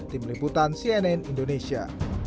tim liputan cnn indonesia